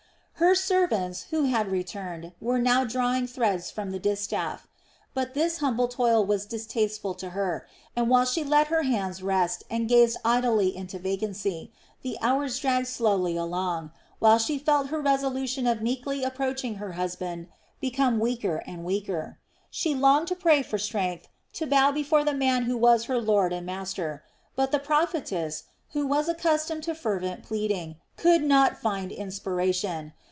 Her servants, who had returned, were now drawing threads from the distaff: but this humble toil was distasteful to her, and while she let her hands rest and gazed idly into vacancy, the hours dragged slowly along, while she felt her resolution of meekly approaching her husband become weaker and weaker. She longed to pray for strength to bow before the man who was her lord and master; but the prophetess, who was accustomed to fervent pleading, could not find inspiration.